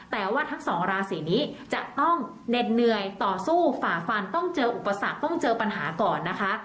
แต่ว่าทั้งสองราศีนี้จะต้องเน็ดเหนื่อยต่อสู้ฝ่าฟันต้องเจออุปสรรคต้องเจอปัญหาก่อนนะคะ